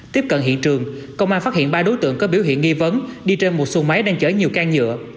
tiếp cận hiện trường công an phát hiện ba đối tượng có biểu hiện nghi vấn đi trên một xuồng máy đang chở nhiều can nhựa